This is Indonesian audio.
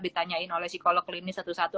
ditanyain oleh psikolog klinis satu satu